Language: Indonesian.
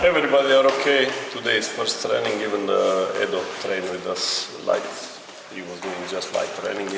pernah di latihan pertama bahkan edo juga berlatih dengan kami